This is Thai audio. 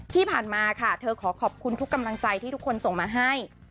ที่ผ่านมาค่ะเธอขอขอบคุณทุกกำลังใจที่ทุกคนส่งมาให้